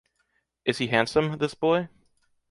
Is he handsome, this boy?